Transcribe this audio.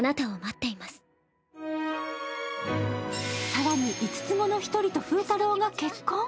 更に五つ子の１人と風太郎が結婚。